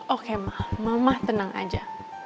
oke mah mama tenang aja